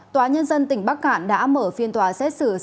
tòa nhân dân tỉnh bắc cạn đã mở phiên tòa xét xử